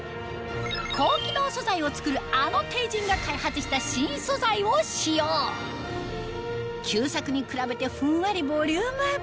高機能素材を作るあのＴＥＩＪＩＮが開発した新素材を使用旧作に比べてふんわりボリュームアップ